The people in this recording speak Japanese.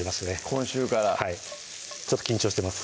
今週からはいちょっと緊張してます